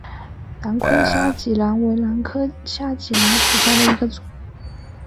南昆虾脊兰为兰科虾脊兰属下的一个种。